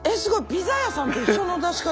ピザ屋さんと一緒の出し方。